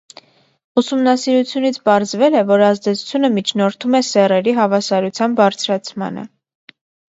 Ուսումնասիրությունից պարզվել է, որ ազդեցությունը միջնորդում է սեռերի հավասարության բարձրացմանը։